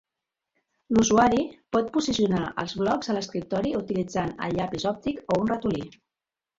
L'usuari pot posicionar els blocs a l'escriptori utilitzant el llapis òptic o un ratolí.